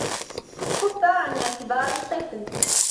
كفّ عن اعتباري طفل.